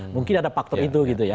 mungkin ada faktor itu gitu ya